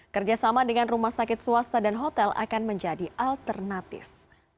kerjasama dengan rumah sakit swasta dan hotel akan menjadi alternatif